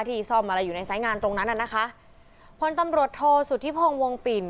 ที่ซ่อมอะไรอยู่ในสายงานตรงนั้นน่ะนะคะพลตำรวจโทษสุธิพงศ์วงปิ่น